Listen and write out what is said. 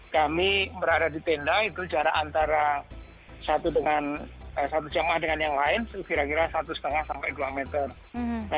kami berada di tenda itu jarak antara satu dengan satu jamaah dengan yang lain kira kira satu lima sampai dua meter